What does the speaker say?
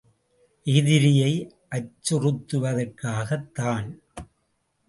எதிரியை அச்சுறுத்துவதற்காகத் தான்.